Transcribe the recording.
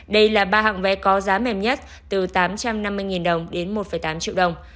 đây là ba hạng vé có giá mềm nhất từ tám trăm năm mươi đồng đến một tám triệu đồng